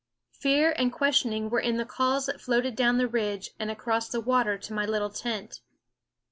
Fear and questioning were in the calls that floated down the ridge and across the water to my little tent.